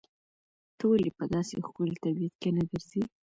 ته ولې په داسې ښکلي طبیعت کې نه ګرځې؟